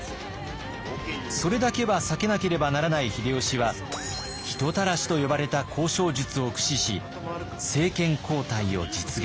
それだけは避けなければならない秀吉は「人たらし」と呼ばれた交渉術を駆使し政権交代を実現。